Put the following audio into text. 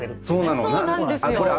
そうなんですよ。